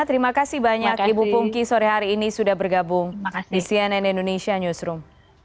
terima kasih banyak ibu pungki sore hari ini sudah bergabung di cnn indonesia newsroom